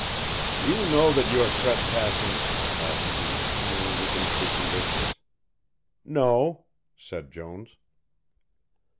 "Do you know that you are trespassing?" asked he, when they were within speaking distance. "No," said Jones.